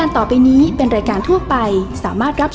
ต้องกิน